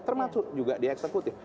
termasuk juga di eksekutif